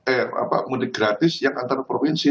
eh apa mudik gratis yang antar provinsi